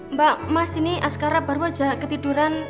mbak mas ini askara baru aja ketiduran